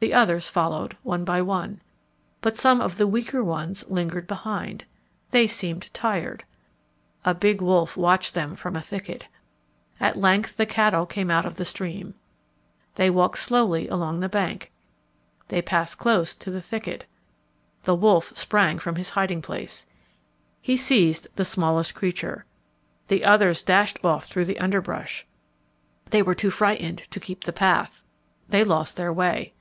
The others followed one by one. But some of the weaker ones lingered behind. They seemed tired. A big wolf watched them from a thicket. At length the cattle came out of the stream. They walked slowly along the bank. They passed close to the thicket. The wolf sprang out from his hiding place. He seized the smallest creature. The others dashed off through the underbrush. They were too frightened to keep the path. They lost their way.